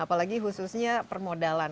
apalagi khususnya permodalan